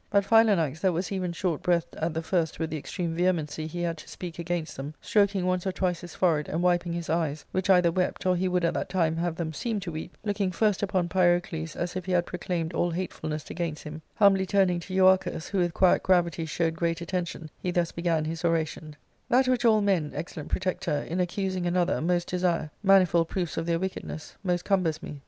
But Philanax, that was even short breathed at the first with the extreme vehemency he had to speak against them, stroking once or twice his forehead and wiping his eyes, which either wept or he would at that time have them seem to weep, look ing first upon Pyrocles as if he had proclaimed all hatefulness against him, humbly turning to Euarchus, who with quiet gravity showed great attention, he thus began his oration : "That which all men, excellent protector, in accusing another, mosi desire, manifold proofs of their wickedness, most cumbers me.